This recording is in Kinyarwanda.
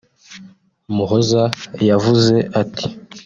Muhoza yavuze ati